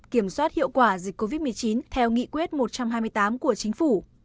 kiểm soát hiệu quả dịch covid một mươi chín theo nghị quyết một trăm hai mươi tám của chính phủ